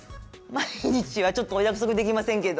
毎日はちょっとお約束できませんけど。